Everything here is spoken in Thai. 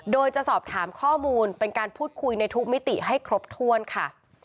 โดยจะสอบถามข้อมูลเป็นการพูดคุยในทุกมิติให้ครบถ้วนค่ะ